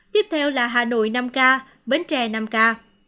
tiếp theo là hà nội năm ca bến tre năm ca